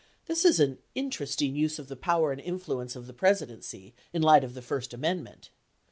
59 This is an interesting use of the power and influence of the Presidency, in light of the first amendment.